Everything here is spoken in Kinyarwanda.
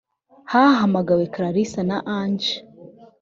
Hahamagawe Clarisse na Ange